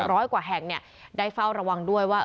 ร้อยกว่าแห่งเนี่ยได้เฝ้าระวังด้วยว่า